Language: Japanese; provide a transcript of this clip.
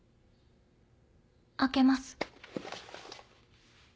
開けます。